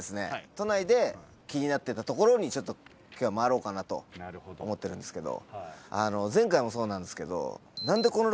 都内で気になってたところにちょっと今日は回ろうかなと思ってるんですけど。